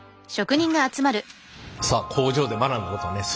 さあ工場で学んだことをねす